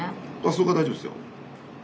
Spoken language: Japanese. そこは大丈夫ですよ。